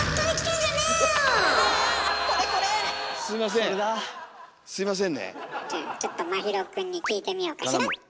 じゃあちょっと真宙くんに聞いてみようかしら。